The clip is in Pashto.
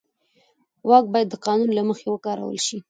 واک باید د قانون له مخې وکارول شي.